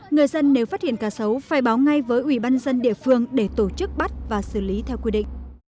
người dân nếu phát hiện cá sấu phải báo ngay với ủy ban dân địa phương để tổ chức bắt và xử lý theo quy định